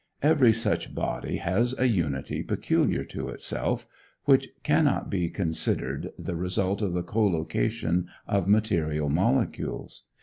Every such body has a unity peculiar to itself, which cannot be considered the result of the collocation of material molecules.